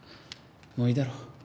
もういいだろう。